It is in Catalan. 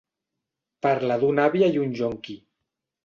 Parla d'una àvia i un ionqui.